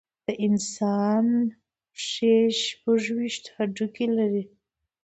د انسان پښې شپږ ویشت هډوکي لري.